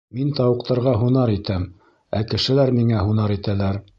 Мин тауыҡтарға һунар итәм, ә кешеләр миңә һунар итәләр.